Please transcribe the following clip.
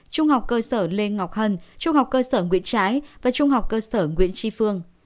trung học cơ sở lê ngọc hân trung học cơ sở nguyễn trái và trung học cơ sở nguyễn tri phương